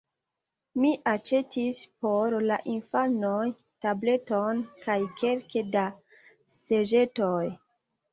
Mi aĉetis por la infanoj tableton kaj kelke da seĝetoj.